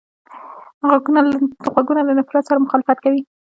غوږونه له نفرت سره مخالفت کوي